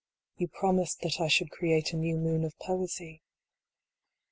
You promised that I should create a new moon of Poesy.